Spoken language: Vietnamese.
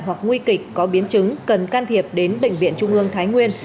hoặc nguy kịch có biến chứng cần can thiệp đến bệnh viện trung ương thái nguyên